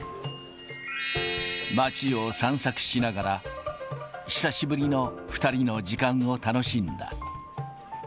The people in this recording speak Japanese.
街を散策しながら、久しぶりの２人の時間を楽しんだ。